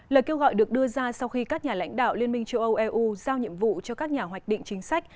lời kêu gọi được đưa ra sau khi các nhà lãnh đạo liên minh châu âu eu giao nhiệm vụ cho các nhà hoạch định chính sách